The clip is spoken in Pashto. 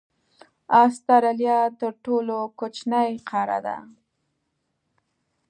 استرالیا تر ټولو کوچنۍ قاره ده.